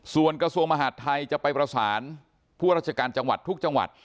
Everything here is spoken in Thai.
ส่วนกระทรวงมหาดไทยจะไปประสานผู้ราชการจังหวัดทุกจังหวัด